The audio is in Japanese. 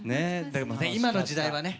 今の時代はね